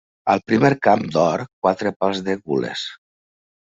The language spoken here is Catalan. Al primer camp, d'or, quatre pals de gules.